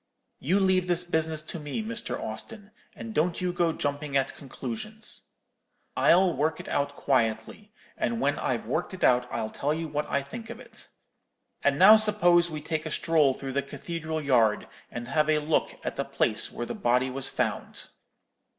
You leave this business to me, Mr. Austin, and don't you go jumping at conclusions. I'll work it out quietly: and when I've worked it out I'll tell you what I think of it. And now suppose we take a stroll through the cathedral yard, and have a look at the place where the body was found.'